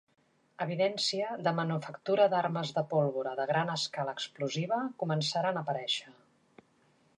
Evidència de manufactura d'armes de pólvora de gran escala explosiva començaren a aparèixer.